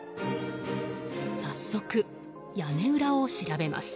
早速、屋根裏を調べます。